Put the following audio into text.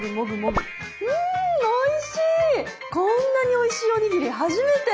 こんなにおいしいおにぎり初めて！